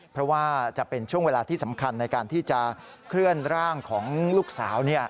เพราะว่าจะเป็นช่วงเวลาที่สำคัญในการที่จะเคลื่อนร่างของลูกสาว